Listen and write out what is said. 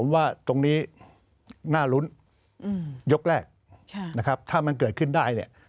ผมว่าตรงนี้น่ารุ้นยกแรกนะครับถ้ามันเกิดขึ้นได้เนี่ย